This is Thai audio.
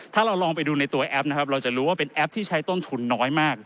ถ้าเราลองไปดูในตัวแอปนะครับเราจะรู้ว่าเป็นแอปที่ใช้ต้นทุนน้อยมาก